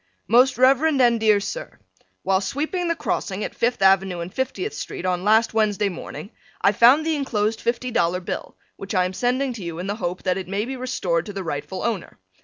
Most Rev. and dear Sir: While sweeping the crossing at Fifth Avenue and 50th street on last Wednesday morning, I found the enclosed Fifty Dollar Bill, which I am sending to you in the hope that it may be restored to the rightful owner.